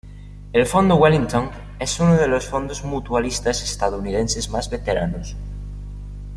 El fondo Wellington es uno de los fondos mutualistas estadounidenses más veteranos.